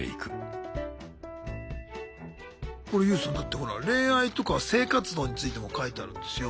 これＹＯＵさんだってほら恋愛とか性活動についても書いてあるんですよ。